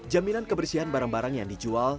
jaminan kebersihan barang barang yang dijual